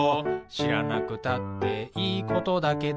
「しらなくたっていいことだけど」